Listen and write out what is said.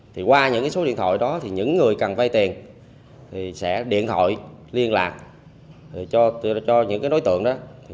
thì qua những số điện thoại đó thì những người cần vay tiền thì sẽ điện thoại liên lạc cho những đối tượng đó